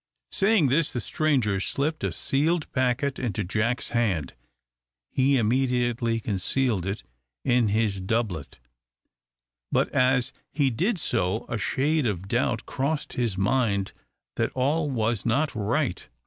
Saying this, the stranger slipped a sealed packet into Jack's hand. He immediately concealed it in his doublet, but as he did so a shade of doubt crossed his mind that all was not right.